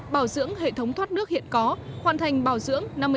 bảo dưỡng hệ thống thoát nước hiện có hoàn thành bảo dưỡng năm mươi sáu